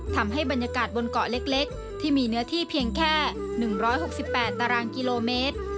ทำให้บรรยากาศบนเกาะเล็กที่มีเนื้อที่เพียงแค่๑๖๘ตารางกิโลเมตร